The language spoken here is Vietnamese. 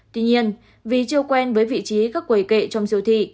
tuy nhiên vì chưa quen với vị trí các quầy kệ trong siêu thị